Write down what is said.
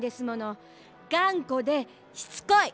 がんこでしつこい。